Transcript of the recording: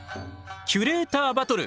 「キュレーターバトル！！」